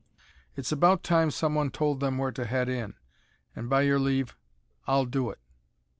It's about time someone told them where to head in, and, by your leave, I'll do it.